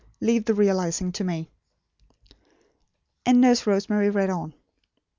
Leave the realising to me." And Nurse Rosemary read on.